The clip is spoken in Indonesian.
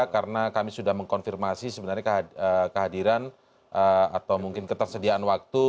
karena kami sudah mengkonfirmasi sebenarnya kehadiran atau mungkin ketersediaan waktu